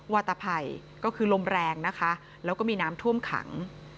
วาตภัยก็คือลมแรงนะคะแล้วก็มีน้ำท่วมขัง